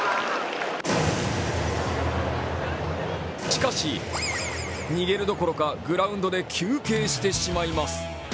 しかし、逃げるどころかグラウンドで休憩してしまいます。